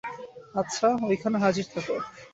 আচ্ছা, ওইখানে হাজির থাকো।